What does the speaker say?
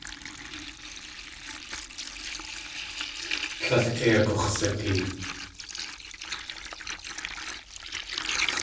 Tlél kei agux̲satee.